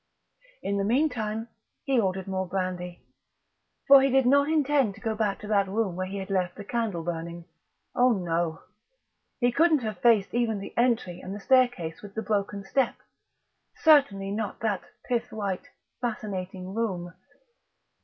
In the meantime he ordered more brandy. For he did not intend to go back to that room where he had left the candle burning. Oh no! He couldn't have faced even the entry and the staircase with the broken step certainly not that pith white, fascinating room.